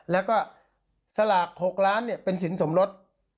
แล้วก็สลาก๖ล้านเป็นสินสมรส